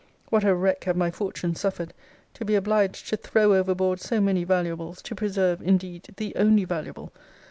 What a wreck have my fortunes suffered, to be obliged to throw overboard so many valuables, to preserve, indeed, the only valuable!